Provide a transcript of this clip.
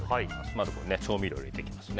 まずは調味料を入れていきます。